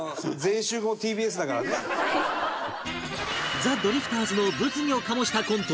ザ・ドリフターズの物議を醸したコント